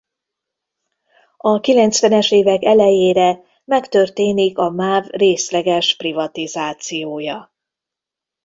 A kilencvenes évek elejére megtörténik a Máv részleges privatizációja.